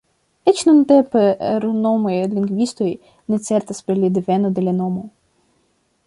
Eĉ nuntempe renomaj lingvistoj ne certas pri deveno de la nomo.